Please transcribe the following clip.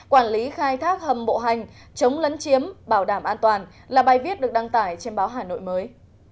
quản lý khai thác hầm bộ hành chống lấn chiếm bảo đảm an toàn là bài viết được đăng tải trên báo hà nội mới